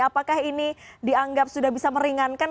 apakah ini dianggap sudah bisa meringankan